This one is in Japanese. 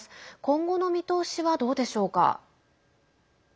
今後の見通しは、どうでしょうか。